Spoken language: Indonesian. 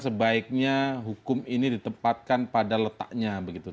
sebaiknya hukum ini ditempatkan pada letaknya begitu